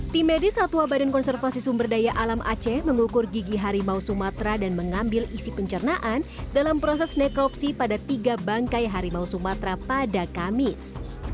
tim medis satwa badan konservasi sumber daya alam aceh mengukur gigi harimau sumatera dan mengambil isi pencernaan dalam proses nekropsi pada tiga bangkai harimau sumatera pada kamis